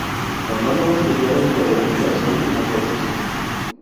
Monólogos y diálogos sobre primeros y últimos besos.